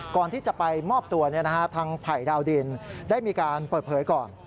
ก่อนที่จะไปมอบตัวทางไผ่ดาวดินได้มีการเปิดเผยก่อน